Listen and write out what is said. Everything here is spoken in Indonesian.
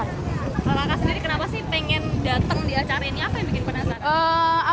kalau kakak sendiri kenapa sih pengen datang di acara ini apa yang bikin penasaran